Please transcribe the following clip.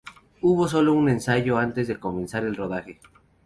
Hubo solo un ensayo antes de comenzar el rodaje.